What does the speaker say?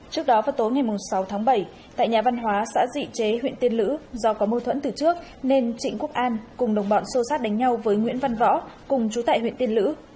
trước đó vào tối ngày sáu tháng bảy tại nhà văn hóa xã dị chế huyện tiên lữ do có mâu thuẫn từ trước nên trịnh quốc an cùng đồng bọn xô sát đánh nhau với nguyễn văn võ cùng chú tại huyện tiên lữ